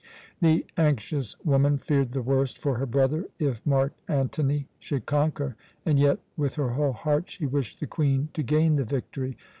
The anxious woman feared the worst for her brother if Mark Antony should conquer, and yet, with her whole heart, she wished the Queen to gain the victory.